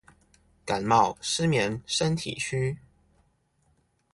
感冒、失眠、身體虛